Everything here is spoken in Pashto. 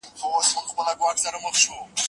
لمر ډوب شو.